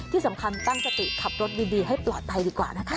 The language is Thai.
ที่สำคัญตั้งสติขับรถดีให้ปลอดภัยดีกว่านะคะ